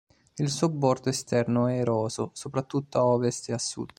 Il suo bordo esterno è eroso, soprattutto a ovest e a sud.